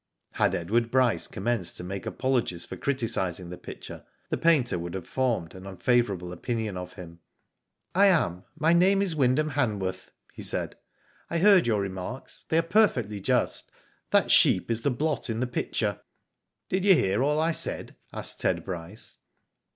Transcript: Had Edward Bryce commenced to make apologies for criticising the picture, the painter would have formed an un favourable opinion of him. "I am. My name is Wyndham Hanworth,*' he said. " I heard your remarks, they are Digitized by Google MVNDA, 41 perfectly just. That sheep is the blot in the picture." " Did you hear all I said ?" asked Ted Bryce.